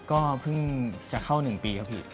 ก็เพิ่งจะเข้า๑ปีครับพี่